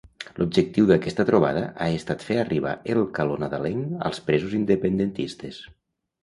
L'objectiu d'aquesta trobada ha estat fer arribar el calor nadalenc als presos independentistes.